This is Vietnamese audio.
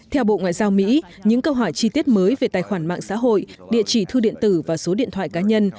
theo bộ ngoại giao mỹ những câu hỏi chi tiết mới về tài khoản mạng xã hội địa chỉ thư điện tử và số điện thoại cá nhân